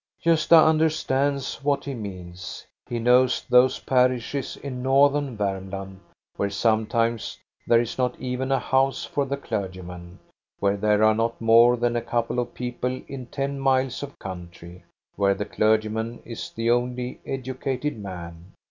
Gosta understands what he means. He knows those parishes in Northern Varmland where some times there is not even a house for the clergyman, where there are not more than a couple of people in ten miles of country, where the clergyman is the only educated man.